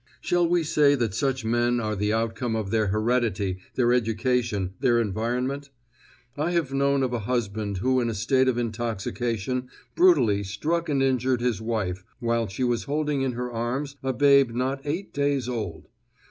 Shall we say that such men are the outcome of their heredity, their education, their environment? I have known of a husband who in a state of intoxication brutally struck and injured his wife, while she was holding in her arms a babe not eight days old.